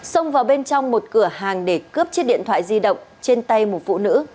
xông vào bên trong một cửa hàng để cướp chiếc điện thoại di động trên tay một phụ nữ